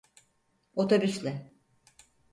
Otobüsle…